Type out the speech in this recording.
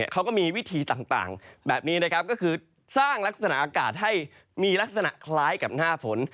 เขาก็มีวิธีต่างแบบนี้นะครับก็คือสร้างลักษณะอากาศให้มีลักษณะคล้ายกับหน้าฝน